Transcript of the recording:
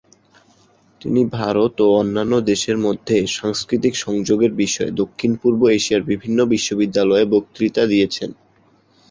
তিনি ভারত ও অন্যান্য দেশের মধ্যে সাংস্কৃতিক সংযোগের বিষয়ে দক্ষিণ-পূর্ব এশিয়ার বিভিন্ন বিশ্ববিদ্যালয়ে বক্তৃতা দিয়েছেন।